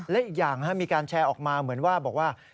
และอีกอย่างมีการแชร์ออกมาเหมือนว่าบอกว่า